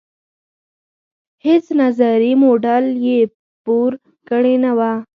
هیڅ نظري موډل یې پور کړې نه وه.